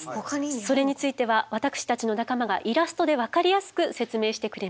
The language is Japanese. それについては私たちの仲間がイラストで分かりやすく説明してくれます。